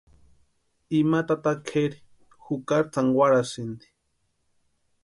Ima tata kʼeri jukari tsankwarasïnti.